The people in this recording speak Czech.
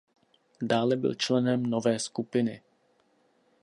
Dále byl členem Nové skupiny.